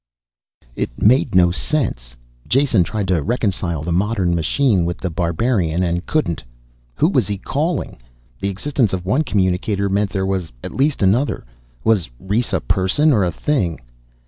XVI. It made no sense. Jason tried to reconcile the modern machine with the barbarian and couldn't. Who was he calling? The existence of one communicator meant there was at least another. Was Rhes a person or a thing?